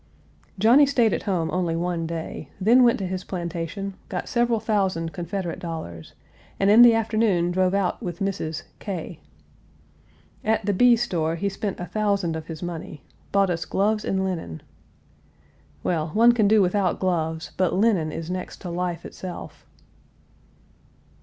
Johnny stayed at home only one day; then went to his plantation, got several thousand Confederate dollars, and in the afternoon drove out with Mrs. K . At the Bee Store he spent a thousand of his money; bought us gloves and linen. Well, one can do without gloves, but linen is next to life itself.